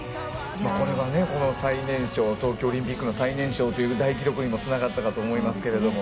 これが冬季オリンピック最年少という大記録にもつながったかと思いますけど。